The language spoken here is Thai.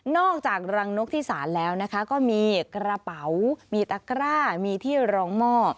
จากรังนกที่สารแล้วนะคะก็มีกระเป๋ามีตะกร้ามีที่รองหม้อ